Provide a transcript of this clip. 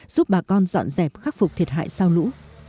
giúp bà con dọn dẹp khắc phục thiệt hại sau lũ